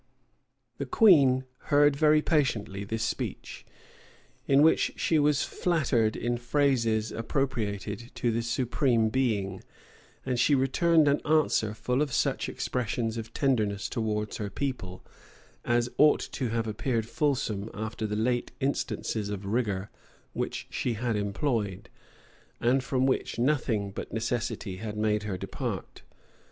[*]* D'Ewes, p. 658, 659. The queen heard very patiently this speech, in which she was flattered in phrases appropriated to the Supreme Being; and she returned an answer full of such expressions of tenderness towards her people, as ought to have appeared fulsome after the late instances of rigor which she had employed, and from which nothing but necessity had made her depart.